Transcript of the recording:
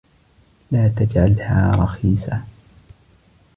لا تجعلها رخيصة.